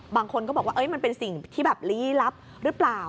บางคนก็บอกว่ามันเป็นสิ่งที่แบบลี้ลับหรือเปล่า